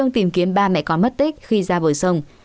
tìm kiếm ba mẹ con mất tích khi ra bờ sông